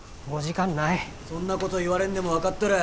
そんなこと言われんでも分かっとる。